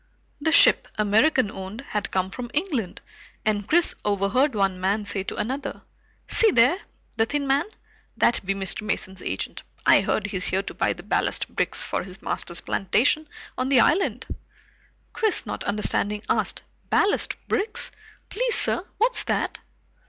The ship, American owned, had come from England, and Chris overheard one man say to another: "See there, the thin man. That be Mr. Mason's agent. I heard he's here to buy the ballast bricks for his master's plantation on the island." Chris, not understanding, asked, "Ballast bricks? Please sir, what's that?"